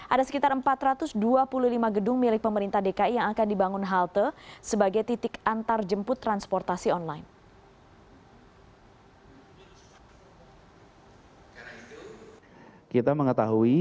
ada sekitar empat ratus dua puluh lima gedung milik pemerintah dki yang akan dibangun halte sebagai titik antarjemput transportasi online